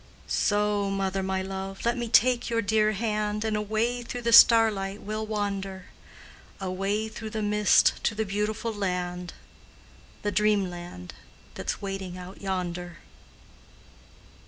So, Mother my Love, let me take your dear hand, And away through the starlight we'll wander, Away through the mist to the beautiful land, The Dreamland that's waiting out yonder.